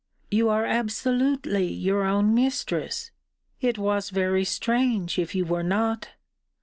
You are absolutely your own mistress it was very strange, if you were not.